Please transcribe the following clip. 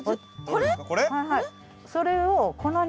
これ？